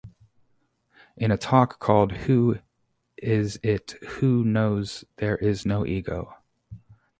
In a talk called Who is it who knows there is no Ego?